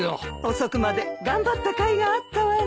遅くまで頑張ったかいがあったわね。